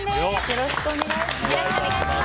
よろしくお願いします。